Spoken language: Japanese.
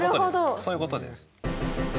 そういうことです。